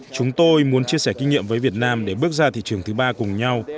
chúng tôi muốn chia sẻ kinh nghiệm với việt nam để bước ra thị trường thứ ba cùng nhau